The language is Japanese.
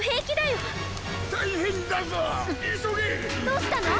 どうしたの？